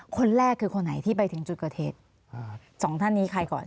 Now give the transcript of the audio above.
คนแรกคือคนไหนที่ไปถึงจุดเกิดเหตุสองท่านนี้ใครก่อน